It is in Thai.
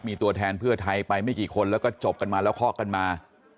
มีตัวแทนเพื่อไทยไปไม่กี่คนแล้วก็จบกันมาแล้วเคาะกันมา